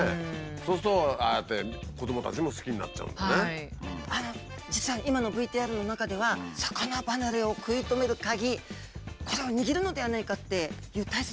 そうするとああやって実は今のＶＴＲの中では魚離れを食い止めるカギこれを握るのではないかっていう大切なひと言がありました。